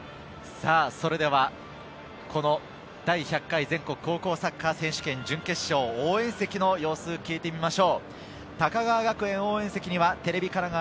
それではこの第１００回全国高校サッカー選手権準決勝、応援席の様子を聞いてみましょう。